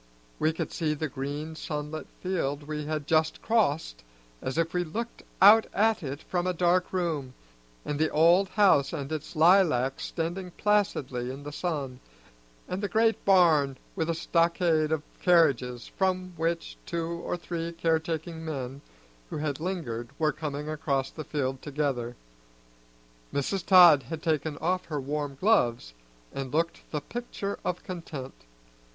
We could see the green sunlit field we had just crossed as if we looked out at it from a dark room, and the old house and its lilacs standing placidly in the sun, and the great barn with a stockade of carriages from which two or three care taking men who had lingered were coming across the field together. Mrs. Todd had taken off her warm gloves and looked the picture of content.